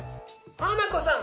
ハナコさん